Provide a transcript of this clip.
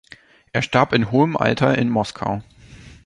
Er starb in hohem Alter in Moskau.